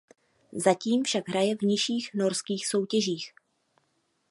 Zatím však hraje v nižších norských soutěžích.